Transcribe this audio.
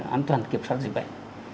an toàn kiểm soát dịch bệnh